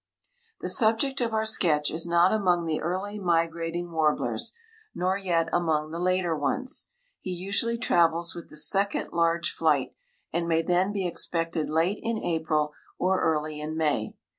The subject of our sketch is not among the early migrating warblers nor yet among the later ones. He usually travels with the second large flight, and may then be expected late in April or early in May.